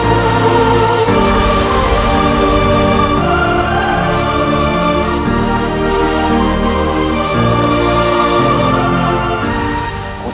aku walang sung sang masih hidup